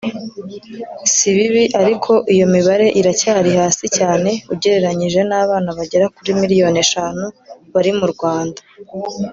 si bibi ariko iyo mibare iracyari hasi cyane ugereranije n’abana bagera kuri miliyoni eshanu bari mu Rwanda